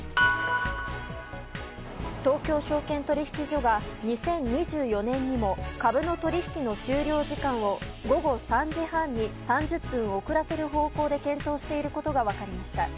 東京証券取引所は、２０２４年にも株の取り引きの終了時間を午後３時半に３０分遅らせる方向で検討していることが分かりました。